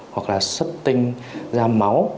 hoặc là xuất tinh da máu